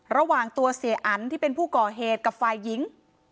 ระหว่างตัวเสียอันที่เป็นผู้ก่อเหตุกับฝ่ายหญิง